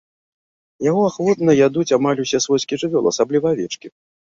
Яго ахвотна ядуць амаль усе свойскія жывёлы, асабліва авечкі.